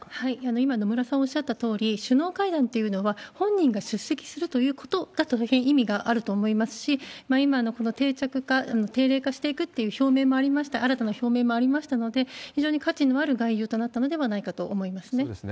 今、野村さんおっしゃったとおり、首脳会談っていうのは、本人が出席するということに意味があると思いますし、今のこの定着化、定例化していくっていう表明もありました、新たな表明もありましたので、非常に価値のある外遊となったのではないかと思いますね。